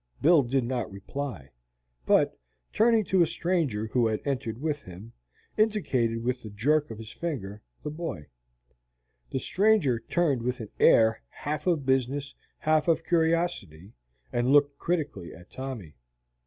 Bill did not reply, but, turning to a stranger who had entered with him, indicated with a jerk of his finger the boy. The stranger turned with an air half of business, half of curiosity, and looked critically at Tommy.